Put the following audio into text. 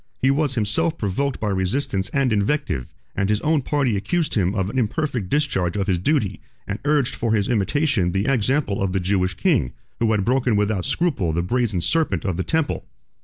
He was himself provoked by resistance and invective; and his own party accused him of an imperfect discharge of his duty, and urged for his imitation the example of the Jewish king, who had broken without scruple the brazen serpent of the temple.